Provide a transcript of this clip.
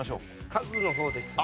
家具の方ですね。